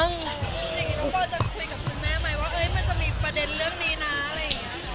อย่างนี้น้องปอลจะคุยกับคุณแม่ไหมว่ามันจะมีประเด็นเรื่องนี้นะอะไรอย่างนี้ค่ะ